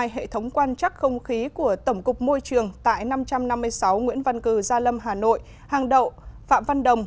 hệ thống quan trắc không khí của tổng cục môi trường tại năm trăm năm mươi sáu nguyễn văn cử gia lâm hà nội hàng đậu phạm văn đồng